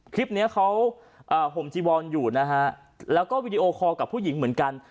คลิปนี้เขาห่มจีวอนอยู่นะฮะแล้วก็วีดีโอคอลกับผู้หญิงเหมือนกัน